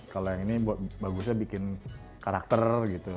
kalau yang ini bagusnya bikin karakter gitu